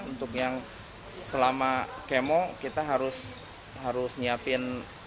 untuk yang selama kemo kita harus nyiapin